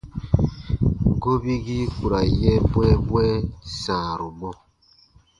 Gobigii ku ra n yɛ̃ bwɛ̃ɛbwɛ̃ɛ sãaru mɔ.